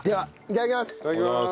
いただきます。